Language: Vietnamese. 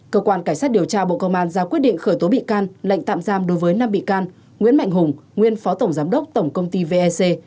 cơ quan cảnh sát điều tra bộ công an ra quyết định khởi tố bị can lệnh tạm giam đối với năm bị can nguyễn mạnh hùng nguyên phó tổng giám đốc tổng công ty vec